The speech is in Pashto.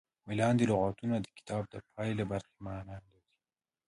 لاندې لغتونه د کتاب د پای له برخې معنا کړي.